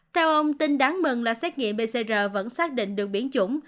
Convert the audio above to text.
theo ông tin đáng mừng là xét nghiệm pcr vẫn xác định được biển chủng